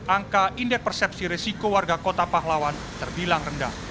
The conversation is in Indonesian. angka indeks persepsi risiko warga kota pahlawan terbilang rendah